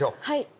はい。